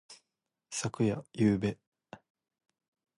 昨夜。ゆうべ。